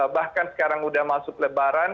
bahkan sekarang sudah masuk lebaran